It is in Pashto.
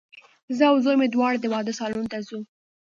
زه او زوی مي دواړه د واده سالون ته ځو